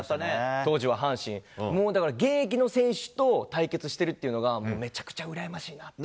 当時は阪神、もうだから現役の選手と対決してるっていうのが、もうめちゃくちゃうらやましいなと。